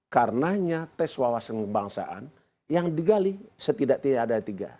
karenanya tes wawasan kebangsaan yang digali setidaknya ada tiga